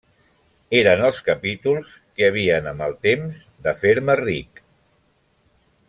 Eren els capítols que havien, amb el temps, de fer-me ric…